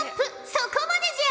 そこまでじゃ！